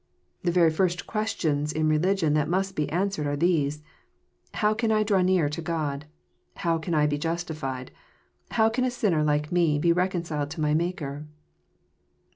The very first questions in religion that must be answered, are these: ''How can I draw near to God? I How can I be justified? How can a sinner like me be ' reconciled to my Maker?